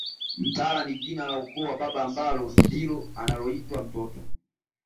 Mtala ni jina la ukoo wa baba ambalo ndilo analoitwa mtoto